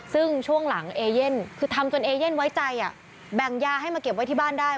ซึ่งช่วงหลังเอเย่นคือทำจนเอเย่นไว้ใจแบ่งยาให้มาเก็บไว้ที่บ้านได้